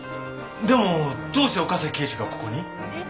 でもどうして岡崎警視がここに？えっ？